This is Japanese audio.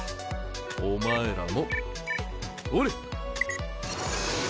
お前らもほれ！